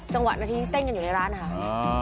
ห้ามกันครับผม